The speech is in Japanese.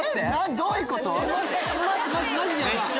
どういうこと？